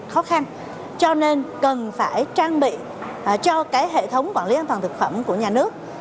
khó khăn cho nên cần phải trang bị cho cái hệ thống quản lý an toàn thực phẩm của nhà nước